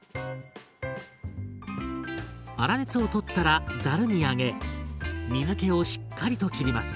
粗熱を取ったらざるに上げ水けをしっかりと切ります。